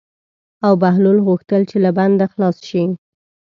او بهلول غوښتل چې له بنده خلاص شي.